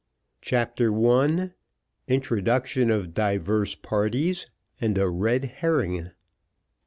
B.J. Chapter I Introduction of divers parties and a red herring.